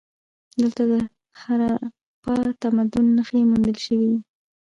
دلته د هراپا تمدن نښې موندل شوي دي